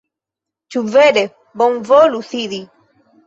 Ĉu vere? Bonvolu sidi